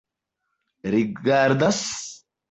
rigardas